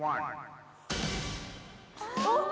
あっ！